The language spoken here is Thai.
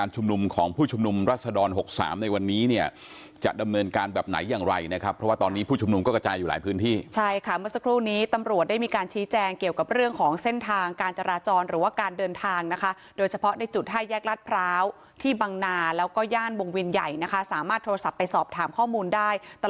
ของผู้ชุมนุมรัศดร๖๓ในวันนี้เนี่ยจะดำเนินการแบบไหนอย่างไรนะครับเพราะว่าตอนนี้ผู้ชุมนุมก็กระจายอยู่หลายพื้นที่ใช่ค่ะเมื่อสักครู่นี้ตำรวจได้มีการชี้แจงเกี่ยวกับเรื่องของเส้นทางการจราจรหรือว่าการเดินทางนะคะโดยเฉพาะในจุดห้าแยกรัฐพร้าวที่บังนาแล้วก็ย่านวงเวียนใหญ่นะคะสามารถโทรศัพท์ไปสอบถามข้อมูลได้ต